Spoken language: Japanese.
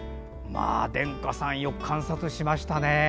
でんかさん、よく観察しましたね。